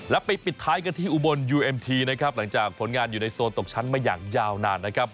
และไปปิดท้ายกันที่อุบลยูเอ็มทีนะครับหลังจากผลงานอยู่ในโซนตกชั้นมาอย่างยาวนานนะครับ